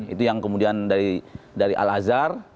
itu yang kemudian dari al azhar